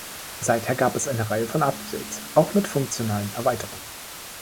Seither gab es eine Reihe von Updates, auch mit funktionalen Erweiterungen.